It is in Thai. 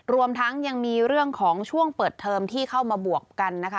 รวมทั้งยังมีเรื่องของช่วงเปิดเทอมที่เข้ามาบวกกันนะคะ